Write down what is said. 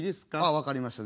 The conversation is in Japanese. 分かりました。